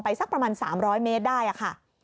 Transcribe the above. สักประมาณ๓๐๐เมตรได้ค่ะ